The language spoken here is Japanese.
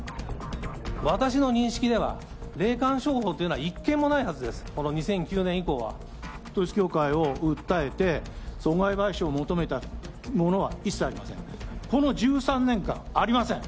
私の認識では、霊感商法というのは一件もないはずです、統一教会を訴えて、損害賠償を求めたものは一切ありません。